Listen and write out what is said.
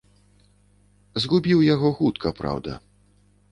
Згубіў яго хутка, праўда.